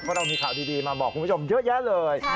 เพราะเรามีข่าวดีมาบอกคุณผู้ชมเยอะแยะเลย